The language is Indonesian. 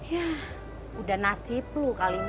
ya udah nasib lu kali min